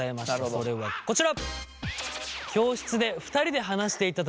それはこちら。